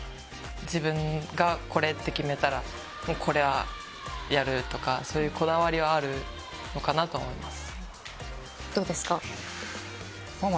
自分がこれって決めたらこれはやるとかそういうこだわりはあるのかなと思います。